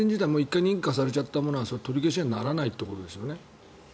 １回認可されちゃったものは取り消しにはならないということですよね。